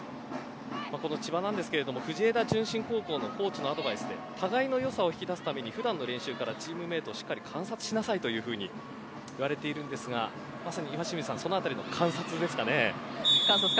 この千葉なんですが高校のコーチのアドバイスで互いの良さを引き出すために普段の練習からチームメートをしっかり観察しなさいといわれているんですがまさに、岩清水さんそのあたりの観察ですかね。